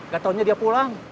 gak taunya dia pulang